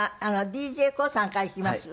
ＤＪＫＯＯさんからいきます？